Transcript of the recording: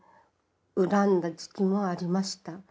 恨んだ時期もありました。